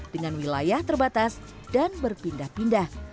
dengan wilayah terbatas dan berpindah pindah